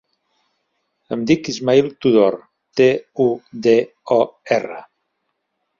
Em dic Ismaïl Tudor: te, u, de, o, erra.